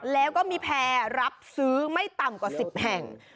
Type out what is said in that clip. แล้วก็มีแพร่รับซื้อไม่ต่ำกว่า๑๐แห่ง